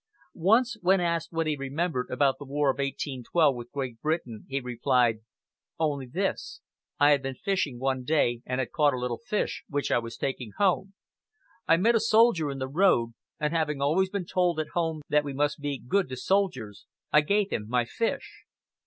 Once, when asked what he remembered about the War of 1812 with Great Britain, he replied: "Only this: I had been fishing one day and had caught a little fish, which I was taking home. I met a soldier in the road, and having always been told at home that we must be good to soldiers, I gave him my fish."